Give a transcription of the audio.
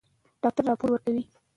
ډاکټره راپور ورکوي.